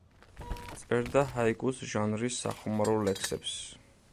წერდა ჰაიკუს ჟანრის სახუმარო ლექსებს.